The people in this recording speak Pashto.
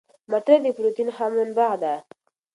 مټر د پروتین ښه منبع ده.